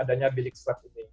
adanya bilik swab ini